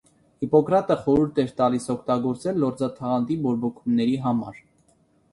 Հիպոկրատը խորհուրդ էր տալիս օգտագործել լորձաթաղանթի բորբոքումների համար։